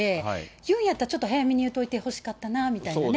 言うんやったら、ちょっと早めに言うといてほしかったなぁみたいなね。